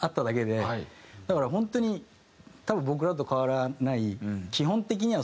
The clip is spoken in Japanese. だから本当に多分僕らと変わらない。